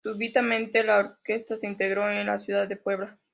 Súbitamente la orquesta se desintegró en la ciudad de Puebla.